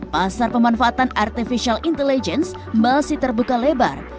pasar pemanfaatan artificial intelligence masih terbuka lebar